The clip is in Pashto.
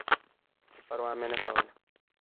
خو پروا مې نه کوله.